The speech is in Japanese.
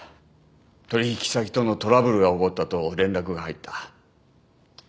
取引先とのトラブルが起こったと連絡が入った。